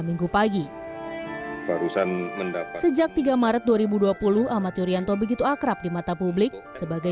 minggu pagi barusan mendap sejak tiga maret dua ribu dua puluh ahmad yuryanto begitu akrab di mata publik sebagai